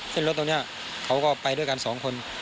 เส้นรถตรงนี้เขาก็ไปด้วยกันสองคน